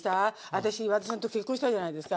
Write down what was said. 私和田さんと結婚したじゃないですか。